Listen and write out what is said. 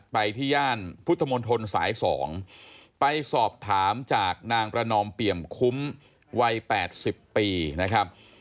ไปที่ย่านพุทธมนตรสาย๒ไปสอบถามจากนางประนอมเปี่ยมคุ้มวัย๘๐ปีนะครับ